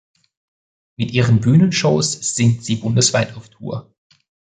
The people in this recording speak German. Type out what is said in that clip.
Mit ihren Bühnenshows sind sie bundesweit auf Tour.